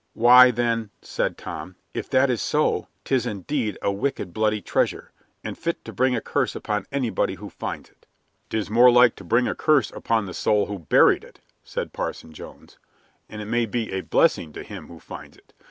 "Why, then," said Tom, "if that is so, 'tis indeed a wicked, bloody treasure, and fit to bring a curse upon anybody who finds it!" "'Tis more like to bring a curse upon the soul who buried it," said Parson Jones, "and it may be a blessing to him who finds it.